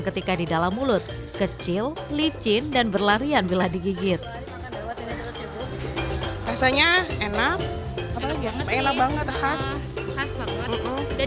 ketika di dalam mulut kecil licin dan berlarian bila digigit rasanya enak banget khas banget